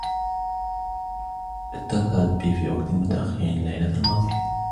اتصلت بي في وقت متأخر الليلة الماضية.